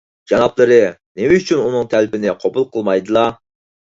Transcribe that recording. جانابلىرى نېمە ئۈچۈن ئۇنىڭ تەلىپىنى قوبۇل قىلمايدىلا؟